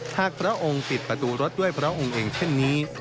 พระองค์ปิดประตูรถด้วยพระองค์เองเช่นนี้